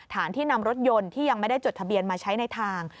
ที่นำรถยนต์ที่ยังไม่ได้จดทะเบียนมาใช้ในทาง